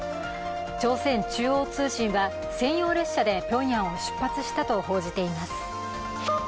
朝鮮中央通信は、専用列車でピョンヤンを出発したと報じています。